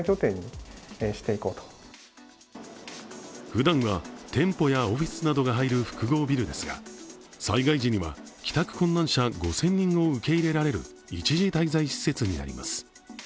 ふだんは店舗やオフィスなどが入る複合ビルですが、災害時には帰宅困難者５０００人を受け入れられる一時滞在施設になります。